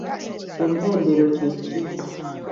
Ennendero kye ki?